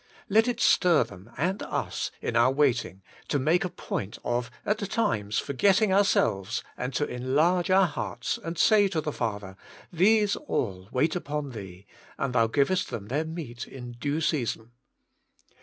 Let it stir them and us in our waiting to make a point of at times forgetting ourselves, and to enlarge our hearts, and say to the Father, * These all wait upon Tliee, and Thou givest them their meat in due season.'